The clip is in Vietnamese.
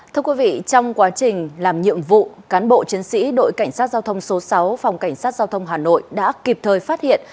thưa quý vị trong quá trình làm nhiệm vụ cán bộ chiến sĩ đội cảnh sát giao thông số sáu phòng cảnh sát giao thông hà nội đã kịp thời phát hiện